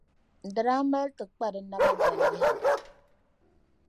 di daa mali ti kpa di naba dali yaha.